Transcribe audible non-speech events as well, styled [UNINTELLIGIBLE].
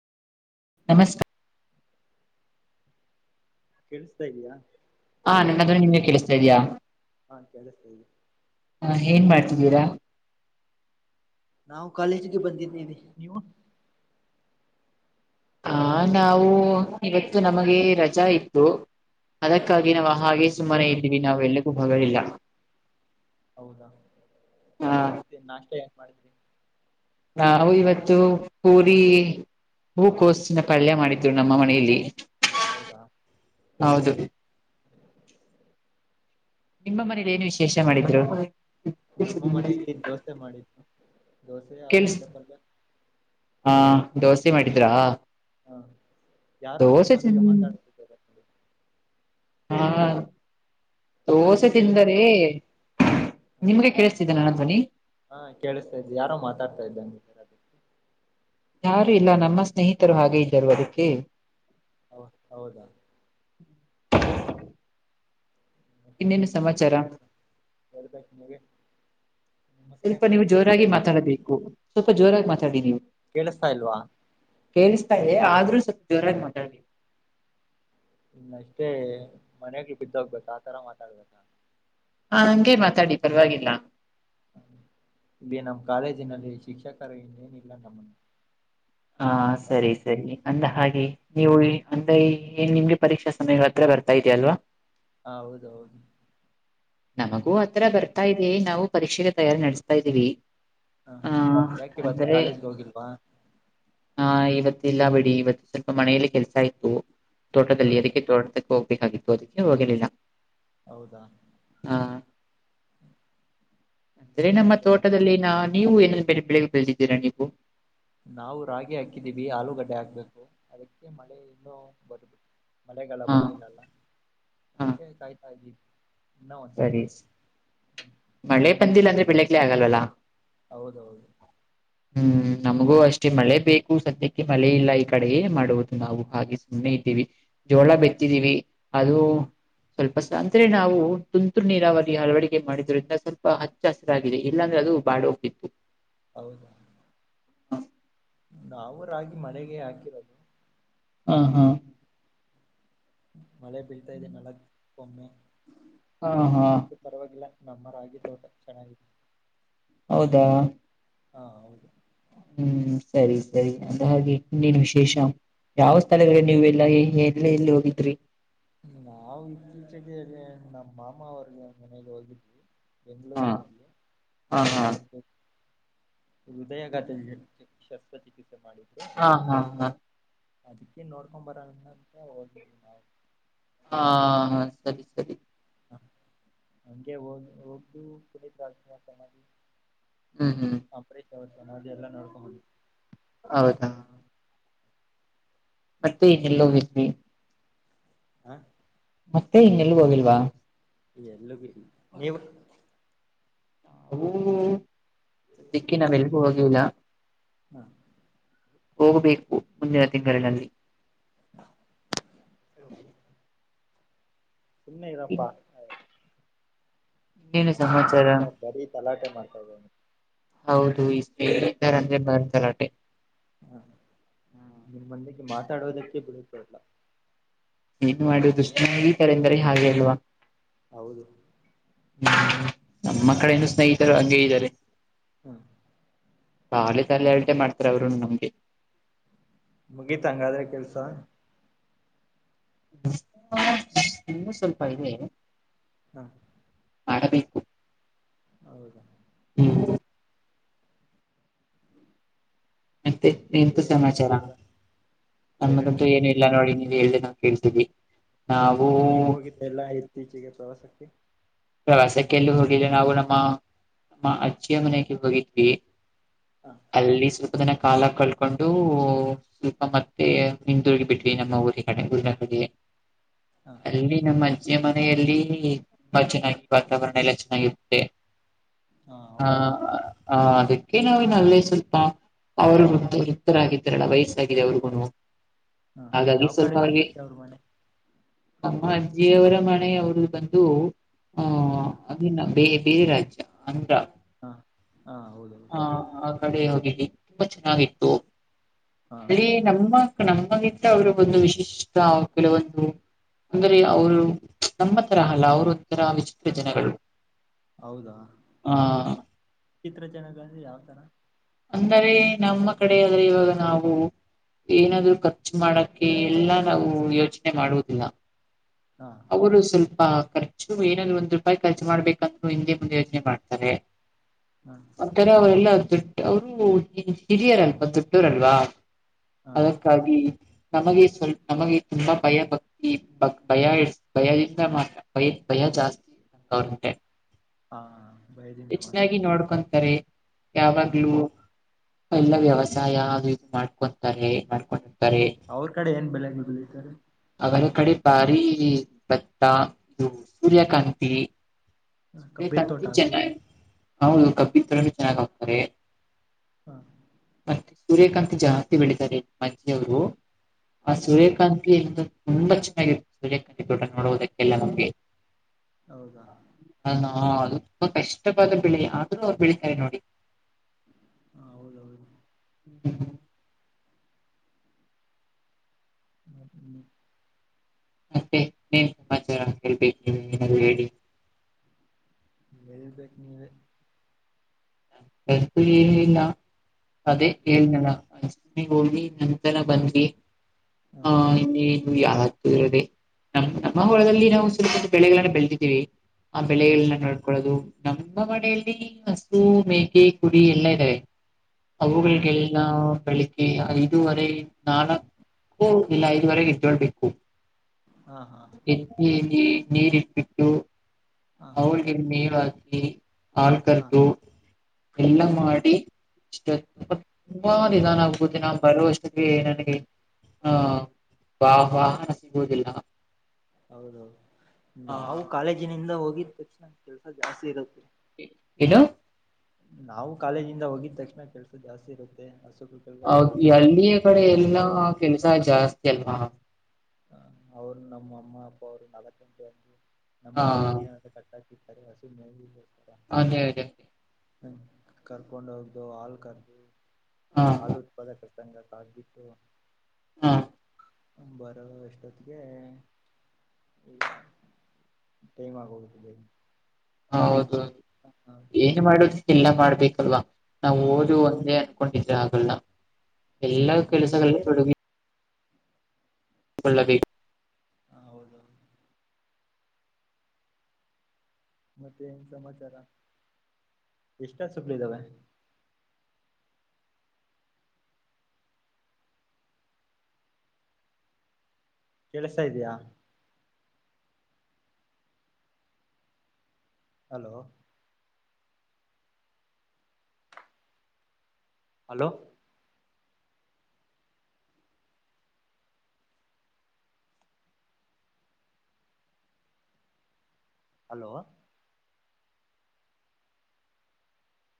ನಮಸ್ಕ್ ಕೇಳಿಸತಾ ಇದಿಯಾ ಹಾ ನಿಮ್ಮದ್ರೆ ನಿಮಗೆ ಕೇಳಿಸ್ತಾ ಇದ್ಯಾ ಹಾ ಕೇಳಿಸ್ತಾ ಇದೆ. ಹ ಏನ್ ಮಾಡ್ತಿದ್ದೀರಾ. ನಾವು ಕಾಲೇಜಿಗೆ ಬಂದಿದ್ದೇವೆ ನೀವು. ಹ ನಾವು ಇವತ್ತು ನಮಗೆ ರಜಾ ಇತ್ತು. ಅದಕ್ಕಾಗಿ ನಾವು ಹ, ಹಾಗೆ ಸುಮ್ಮನೆ ಏನು ಇದ್ವಿ ನಾವೆಲ್ಲೆಗೂ ಹೋಗಲಿಲ್ಲ ಹೌದಾ ಆ ಮತ್ತೆ ನಾಷ್ಟ ಏನ್ ಮಾಡಿದ್ರಿ ನಾವು ಇವತ್ತು ಪೂರಿ ಹೂ ಕೋಸ್ಸಿನ ಪಾಲ್ಯ ಮಾಡಿದ್ರೂ ನಮ್ಮ ಮನೆಯಲ್ಲಿ ಹೌದಾ ಹೌದು ನಿಮ್ಮ ಮನೇಲಿ ಏನು ವಿಶೇಷ ಮಾಡಿದ್ರು. ನಮ್ಮ ಮನೆಯಲ್ಲಿ ದೋಸೆ ಮಾಡಿದ್ರೂ ದೋಸೆ ಕೆಲ್ಸ ಆಲೂಗಡ್ಡೆ ಪಲ್ಯ ಹಾ ದೋಸೆ ಮಾಡಿದ್ರಾ ಹ ಯಾರೋ ದೋಸೆ ತಿನ್ ನಿಮ್ಮೊಂದಿಗೆ ಮಾತಾಡ್ತಿದ್ದಾರೆ ಹಾ ದೋಸೆ ಕೇಳಿಸ್ತಾ ತಿಂದರೆ ಇದ್ದ ಅವರು ನಿಮ್ಗೆ ಕೇಳಿಸ್ತಿದ್ದೀಯ ನಾನ ಧ್ವನಿ ಹಾ ಕೇಳಿಸ್ತಾ ಇದೆ ಯಾರೋ ಮಾತಾಡ್ತಾ ಇದ್ದಂಗಗಿದಾಂಗಿದ್ದಾರೆ ಯಾರು ಇಲ್ಲ ನಮ್ಮ ಸ್ನೇಹಿತರು ಹಾಗೆ ಇದ್ದರು ಅದಕ್ಕೆ ಹ ಹೌದಾ ಮತ್ತೇನ್ ಸಮಾಚಾರ ಹೇಳಬೇಕ್ ನೀವೆ. ಸ್ವಲ್ಪ ನೀವು ಜೋರಾಗಿ ಬಿತ್ತಾ ಮಾತಾಡಬೇಕು ಸ್ವಲ್ಪ ಜೋರಾಗಿ ಮಾತಾಡಿ ನೀವು- ಕೇಳಿಸತಾ ಇಲ್ವಾ. ಕೇಳಿಸ್ತಾ ಇದೆ ಆದ್ರೂ ಸ್ವಲ್ಪ ಜೋರಾಗಿ ಮಾತಾಡಿ. ಇನ್ ಅಷ್ಟೇ ಮನಾಗ ಬಿದ್ದ ಹೋಗ್ಬೇಕಾ ಆತರಾ ಮಾತಾಡ್ಬೇಕಾ ಹಾ ಹಂಗೆ ಮಾತಾಡಿ ಪರವಾಗಿಲ್ಲಾ ನೀ ನಮ್ಮ ಕಾಲೇಜಿನಲ್ಲಿ ಶಿಕ್ಷಕರು ಇನ್ನೇನಿಲ್ಲ ನಮ್ಮನ್ನು ಹಾ ಸರಿ ಮತ್ತೆ ಸರಿ ಅಂದ ಹಾಗೆ ಹ ನೀವು ಅಂದ್ರೆ ಈ ಏನ್ ನಿಮ್ಗೆ ಪರೀಕ್ಷಾ ಸಮಯಗಳ ಹತ್ರ ಬರ್ತಾ ಇದೆಲ್ವಾ ಹಾ ಹೌದ ಹೌದು ನಮಗೂ ಆ ತರಾ ಬರ್ತಾ ಇದೆ ನಾವು ಪರೀಕ್ಷೆಗೆ ತಯಾರಿ ನಡೆಸ್ತಾ ಇದ್ದೀವಿ ಹಾ ಆ ಯಾಕೆ ಇವತ್ತು ಕಾಲೇಜ್ ಗೆ ಹೋಗಿಲ್ವಾ ಹಾ ಇವತ್ತ ಇಲ್ಲಾ ಬಿಡಿ ಇವತ್ತು ಸ್ವಲ್ಪ ಮನೆಯಲ್ಲಿ ಕೆಲ್ಸಾ ಇತ್ತು ಹ ತೋಟದಲ್ಲಿ ಅದಕ್ಕೆ ತೋಟಕ್ಕೆ ಹೋಗ್ಬೇಕಾಗಿತ್ತು ಅದಕ್ಕೆ ಹೋಗಲಿಲ್ಲಾ ಹೌದಾ ಹಾ ಅಂದ್ರೆ ನಮ್ಮ ಮತ್ತೆ ತೋಟದಲ್ಲಿ ನಾ ನೀವು ಏನೇ ಬೇರೆ ಬೆಳೆ ಬೆಳೆದಿದ್ದೀರಾ ನೀವು ನಾವು ರಾಗಿ ಹಾಕಿದೀವಿ ಆಲೂಗಡ್ಡೆ ಹಾಕ್ಬೇಕು ಅದಕ್ಕೆ ಮಳೆ ಇನ್ನೂ ಬರಬೇಕು ಮಳೆಗಾಲ ಹಾ ಬರ್ಲಿಲ್ಲಲ್ಲಾ ಹಾ ಅದಕ್ಕೆ ಕಾಯ್ತಾ ಇದ್ದೀವಿ ಇನ್ನ ಒಂದ್ ಸರಿ ತಿಂಗಳು ಮಳೆ ಬಂದಿಲ್ಲ ಅಂದ್ರೆ ಬೆಳೆಕೆ ಆಗಲ್ವಲ್ಲಾ ಹೌದೌದು ಹ ಹ್ಮ್ ನಮಗೂ ಅಷ್ಟೇ ಮಳೆ ಬೇಕು ಸದ್ಯಕ್ಕೆ ಮಳೆ ಇಲ್ಲಾ ಈ ಕಡೆೆಯೇ ಮಾಡುವುದು ನಾವು ಹಾಗೆ ಸುಮ್ಮನೆ ಇದ್ದೀವಿ ಜೋಳ ಬೆತ್ತಿದೀವಿ ಅದು ಸ್ವಲ್ಪ ಸ ಅಂದ್ರ ನಾವು ತುಂತುರು ನೀರಾವರಿ ಅಳವಡಿಕೆ ಮಾಡಿದ್ರಿಂದ ಸ್ವಲ್ಪ ಹಚ್ಚು ಹಸಿರಾಗಿದೆ ಇಲ್ಲಾಂದ್ರೆ ಅದು ಬಾಡ್ ಹೋಗತಿತ್ತು ಹೌದಾ ನಾವು ರಾಗಿ ಮಳೆಗೆ ಹಾಕಿರೋದು ಹ ಹಾ ಮಳೆ ಬೀಳ್ತಾ ಇದೆ ಮೇಡಂ ಕೋಒಮ್ಮೆ ಹ ಹಾ ಪರವಾಗಿಲ್ಲ ನಮ್ಮ ರಾಗಿ ತೋಟಾ ಚೆನ್ನಾಗಿದೆ ಹೌದಾ ಹಾ ಹೌದು ಹುಂ ಸರಿ ಸರಿ ಅಂದ ಹಾಗೆ ಇನ್ನೇನ್ ವಿಶೇಷಾ ಯಾವ ಸ್ಥಳಗಳು ನೀವು ಎಲ್ಲಾ ಎಲಿ ಎಲ್ಲಿ ಹೋಗಿದ್ರಿ ನಾವು ಇತ್ತೀಚೆಗೆ ನಮ್ಮ ಮಾಮಾ ಅವ್ರ ಮನೆಗೆ ಹೋಗಿದ್ವಿ ಹಾ ಬೆಂಗಳೂರಿನಲ್ಲಿ ಹಾ ಹಾ ಅವರಿಗ ಹೃದಯಘಾತ [UNINTELLIGIBLE] ಶಸ್ತ್ರಚಿಕಿತ್ಸೆ ಮಾಡಿದ್ರು ಹಾ ಹಾ ಹಾ ಅದಕ್ಕೆ ನೋಡ್ಕೊಂಡ್ ಬರ ಅಂತ ಹೋಗಿದ್ವಿ ನಾವು ಹಾ ಸರಿ ಸರಿ ಹ ಹಂಗೆ ಹ ಹೋಗ್ದ [UNINTELLIGIBLE] ಹುಂ ಹುಂ ಅಂಬರೀಶ್ [UNINTELLIGIBLE] ಸಮಾಧಿ ಎಲ್ಲಾ ನೋಡ್ಕೊಂಡು ಬಂದ್ವಿ ಹೌದಾ ಮತ್ತೆ ಇನೆಲ್ಲ ಹೋಗಿ ದೀವಿ ಹಾ ಮತ್ತೆ ಇನ್ನೆಲ್ಲಿಗಿ ಹೋಗಿಲ್ವಾ ಎಲ್ಲ ಬಿ ನೀವು [UNINTELLIGIBLE] ಕ್ಕೆ ನಾವ ಎಲ್ಗೂ ಹೋಗ್ಲಿಲ್ಲಾ ಹಾ ಹೋಗ್ಬೇಕು ಮುಂದಿನ ತಿಂಗಳಿನಲ್ಲಿ. ಹ [INAUDIBLE] ಸುಮ್ಮನೆ ಇರಪ್ಪಾ ಇನ್ನೇನು ನಮ್ಮ ಸಮಾಚಾರ ಸ್ನೇಹಿತ ಬರೀ ತಲಾಟೆ ಮಾಡ್ತಾ ಇದ್ದಾನೆ. ಹೌದು ಇಷ್ಟೇರೆ ಅಂದ್ರೆ [UNINTELLIGIBLE] ಬರ ಸಲಾಟೆ ಹಾ ನಿಮ್ಮ ಮಂದಿಗೆ ಮಾತಾಡೋದಕ್ಕೆ ಬಿಡುತ್ತಿಲ್ಲ. ಏನ್ ಮಾಡುವುದುಸ್ನೇಹಿತರಂದ್ರೆ ಹಾಗೆ ಅಲ್ವಾ ಹೌದು ಹ್ಮ್, ನಮ್ಮ ಕಡೆೇನು ಸ್ನೇಹಿತರು ಹಂಗೆ ಇದ್ದಾರೆ. ಹಾ [INAUDIBLE] ಕಾಲಿ [UNINTELLIGIBLE] ತಾಲ ಹೇಟೆ ಮಾಡ್ತಾರೆ ಅವರು ನಮ್ಗೆ ಮುಗೀತ್ ಹಂಗಾದ್ರೆ ಕೆಲ್ಸಾ ಇನ್ನು ಸ್ವಲ್ಪ ಇದೆ. ಹಾ [INAUDIBLE] ಮಾಡದ [UNINTELLIGIBLE] ಹೌದು ಹ್ಮ್, ಮತ್ತೆ ಮತ್ತೆ ಎಂತು ಏನ್ ಸಮಾಚಾರ ನಮ್ಮದಂತೂ ಹೇಳ್ಬೇಕು ಏನು ನೀವೇ ಇಲ್ಲ ನೋಡಿ ನೀವು ಹೇಳ ಕೆಳ್ತವಿ [INAUDIBLE] ನೀವ ಹೋಗಿದ್ದ ಎಲ್ಲಾ ಇತ್ತೀಚೆಗೆ ಪ್ರವಾಸಕ್ಕೆ ಪ್ರವಾಸಕ್ಕೆಲ್ಲ ಹೋಗಿಲ್ಲ ನಾವು ನಮ್ಮ ನಮ್ಮ ಅಜ್ಜಿಯ ಮನೆಗೆ ಹೋಗಿದ್ವಿ. ಹಾ [INAUDIBLE] ಅಲ್ಲಿ ಸ್ವಲ್ಪ ದಿನ ಕಾಲ ಕಳ್ಕೊಂಡು- ಸ್ವಲ್ಪ ಮತ್ತೆ ಹಿಂದರುಗಿ ಬಿಟ್ವಿ ನಮ್ಮ ಊರಿ ಕಡೆ ಗುರಿ ಕಿಗೆ [UNINTELLIGIBLE] ಹ ಅಲ್ಲಿ ನಮ್ಮ ಅಜ್ಜಿ ಮನೆಯಲ್ಲಿ ತುಂಬಾ ಚೆನ್ನಾಗಿ ವಾತಾವರಣ ಎಲ್ಲಾ ಚೆನ್ನಾಗಿರುತ್ತೆ. ಹಾ ಹೌದು ಆಹ ಹೇಳಿ ಹಾ, ಅದಕ್ಕೆ ನಾವಿನಲ್ಲೇ ಸ್ವಲ್ಪ ಅವರು ವೃತ್ತರಾಗಿದ್ದ್ರಲ್ಲ ವಯಸ್ಸಾಗಿದೆ ಅವ್ರಿಗೂನು. ಹಾ ಹಾಗಾಗಿ ಯಾವ್ ಕಡೆ ನಿಮ್ ಮುತ್ಯಾಅವ್ರ ಮನೆ. ಅಮ್ಮ ಅಜ್ಜಿಯವರ ಮನೆೆಯವರು ಬಂದು ಹಾ ಹ ಅ ಬೇ ಬೇರೆ ರಾಜ್ಯ ಆಂದ್ರ ಹಾ, ಹಾ ಹೌದ ಹಾ ಆಕಡೆ ಹೋಗಲಿ ತುಂಬಾ ಚೆನ್ನಾಗಿತ್ತು. ಹಾ ಅ- ನಮ್ಮ ನಮ್ಮಗಿಂತ ಅವರು ಒಂದು ವಿಶಿಷ್ಟ ಕೆಲವೊಂದು ಅಂದ್ರ ಅವ್ರು ನಮ್ಮ ತರ ಅಲ್ಲ ಅವ್ರ ಒಂಥರ ವಿಚಿತ್ರ ಜನಗಳು. ಹೌದಾ! ಆ ವಿಚಿತ್ರ ಜನಗಳುಯಾವ ತರಾ ಅಂದರೆ ನಮ್ಮ ಕಡೆ ಆದ್ರೆ ಇವಾಗ ನಾವು ಏನಾದ್ರು ಖರ್ಚು ಮಾಡಕ್ಕೆ ಎಲ್ಲಾ ನಾವು ಯೋಚನೆ ಮಾಡುವುದಿಲ್ಲ. ಹಾ, ಅವರು ಸ್ವಲ್ಪ ಖರ್ಚು ಏನಾದ್ರು ಒಂದ ರೂಪಾಯಿ ಖರ್ಚು ಮಾಡ್ಬೇಕಂದ್ರು ಹಿಂದೆ ಮುಂದೆಯೋಚನೆ ಮಾಡ್ತಾರೆ. [INAUDIBLE] ಹಾ, ಆಥರ ಅವರೆಲ್ಲ ದು ಅವರು ಹಿರಿಯರಲ್ವಾ ದೊಡ್ಡೋರಲ್ವಾ, ಹಾ ಅದಕ್ಕಾಗಿ ನಮಗೆ ಸ್ವಲ್ಪ ನಮಗೆ ತುಂಬಾ ಭಯ ಭಕ್ತಿ ಭಯ [UNINTELLIGIBLE] ಇ ಭಯದಿಂದ ಮಾತ್ರ ಭಯ ಭಯ ಜಾಸ್ತಿವ್ರಂತೆ ಹಾ ಭಯದಿಂದ ಮಾಡ ಹೆಚ್ಚನ್ನಾಗಿ ನೋಡ್ಕೊಂ ತ್ರಿ ಹಾ ಯಾವಾಗ್ಲೂ ಎಲ್ಲಾ ವ್ಯವಸಾಯ ಅದು ಇದು ಮಾಡ್ಕೊಂತಾರೆ ಏನ್ ಮಾಡ್ಕೊಂಡು ಅವರು ಕಡೆ ಏನ್ ಬೆಳೆಗಳನ್ನು ಬೆಳಿತ್ತಾರೆ. ಅವರ ಕಡೆ ಬಾರೀ ಭತ್ತ ಇದು ಸೂರ್ಯಕಾಂತಿ ಕಬ್ಬಿನ ತೋಟ ಸೂರ್ಯಕಾಂತಿ ಹಾಕು ಚೆನ್ನಾಗ್ ಹೌದು ಕಬ್ಬಿನ ತರ ಚೆನ್ನಾಗಿ ಹಾಕ್ತಾರೆ. ಹಾ ಮತ್ತೆ ಸೂರ್ಯಕಾಂತಿ ಜಾಸ್ತಿ ಬೆಳಿತ್ತಾರೆ ನಮ್ ಅತ್ತಿಗೆಯವರು ಆ ಹಾ ಸೂರ್ಯಕಾಂತ್ ತುಂಬಾ ಚೆನ್ನಾಗಿರುತ್ತೆ ಸೂರ್ಯಕಾಂತಿ ತೋಟ ನೋಡುವುದಕ್ಕೆಲ್ಲ ನಮಗೆ. ಹೌದಾ ಹ ಅದು ತುಂಬಾ ಕಷ್ಟವಾದ ಬೆಳೆ ಆದ್ರೂ ಅವ್ರು ಬೆಳಿತಾರೆ ನೋಡಿ. ಹಾ ಹೌದ ಹೌದು ಹ್ಮ ಹ್ಮ್ ಮತ್ತೆ ಏನ್ ಸಮಾಚಾರ ಹೇಳ್ಬೇಕು ನೀವೆ ಏನಾದ್ರೂ ಹೇಳಿ. ಹೇಳ್ಬೇಕು ನೀವೇ ಹೆಲ್ತ್ ಏನಿಲ್ಲ ಹ ಅದೇ ಹೇಳಿದನಲ್ಲ ಆಸ್ಪತ್ರೆಗೆ ಹೋಗಿ ನಂತರ ಬಂದ್ವಿ. ಹಾ ಯಾವಾಗ್ತೂ ಇದೆ ನಮ್ಮ್ ನಮ್ಮ ಹೊಲದಲ್ಲಿ ನಾವು ಸುಲಭದ ಬೆಳೆಗಳನ್ನೂ ಬೆಳದಿದ್ದೀವಿ. ಆ ಹಾ ಬೆಳೆಗಳನ್ನ ನೋಡ್ಕೊಳ್ಳದು ನಮ್ಮ ಮನೆಯಲ್ಲಿ ಸ್ ಸು ಮೇಕೆ ಕುರಿ ಎಲ್ಲಾ ಇದ್ದಾವೆ ಅವುಗಳಿಗೆ ಹೌದಾ ಎಲ್ಲಾ ಬೆಳಿಗ್ಗೆ ಐದುವರೆ ನಾಲ್ಕ್ ಓ ಇಲ್ಲ ಐದುವರೆಗೆ ಎದೋಳ್ಬೇಕು. ಹಾ ಹಾ ಲ್ಲಿ ನೀರಿ ಇಟ್ಬಿಟ್ಟು ಹಾ ಅವಿಗೆ ಮೇವು ಹಾಕಿ ಹಾ ಟ್ಟು ಎಲ್ಲಾ ಮಾಡಿ ಇಷ್ಟ್ ಹ ನನ್ ಆಗ್ಬತಿನಾ ಬರುವ ಅಷ್ಟಕ್ಕೆ ನನಗೆ ಹಾ ವಾ ವಾಹನ ಸಿಗುವುದಿಲ್ಲ ಹೌದೌದು ನಾವು ಆ ಕಾಲೇಜಿನಿಂದ ಹೋಗಿದ ತಕ್ಷಣ ಕೆಲಸ ಜಾಸ್ತಿ ಇರುತ್ತೆ. ಏನೂ ನಾವು ಕಾಲೇಜಿಂದ ಹೋಗಿದ ತಕ್ಷಣ ಕೆಲಸ ಜಾಸ್ತಿ ಇರುತ್ತೆ ಹಸುಗಳ್ ಹೌದು ಈ ಹಳ್ಳಿಯ ಕಡೆ ಎಲ್ಲಾ ಕೆಲಸ ಜಾಸ್ತಿ ಅಲ್ವಾ. ಹ ಅವರು ನಮ್ಮ ಅಮ್ಮ ಅಪ್ಪ ಅವರು ನಾಲ್ತೆಂಟು ಹಾ ನಮ್ಮ ಜಮೀನ ಕಟ್ಟ್ ರ [UNINTELLIGIBLE] ಅದೇ ಅದೇ ಹ್ಮ್ ಕರ್ಕೊಂಡು ಹೋಗು ಹಾಲು ಕರೆದು ಹಾ ಹಾಲು ಉತ್ ಪಕ ಸಂಗ ಕ ಆಗಬಿಟ್ಟು ಹ್ಮ್ ಹ ಬರೋ ಅಷ್ಟೋತ್ತಿಗೆ ಟೈಮ್ ಹಾಗೋಗೈತ್ ಲೇ ಹೌದು ಏನ್ ಮಾಡೋದೂ ಇಲ್ಲೇ ಮಾಡ್ಬೇಕಲ್ವಾ ನಾವು ಹಾ ಓದು ಒಂದೇ ಹಕೊಂಡಿದ್ರೆ ಆಗಲ್ಲ ಎಲ್ಲಾ ಕೆಲಸಗಳು ತೊಡಗಿ ಕೊಳ್ಳಬೇಕ್ ಹ ಹೌದು ಮತ್ತೆ ಏನ್ ಸಮಾಚಾರ ಎಷ್ಟುಹಸುಗಳಿದಾವೆ. ಕೆಲ್ಸ ಇದೆಯಾ ಹಲೋ ಹಲೋ ಹಲೋ,